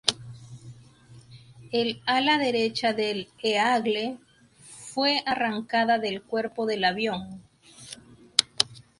El ala derecha del Eagle fue arrancada del cuerpo del avión.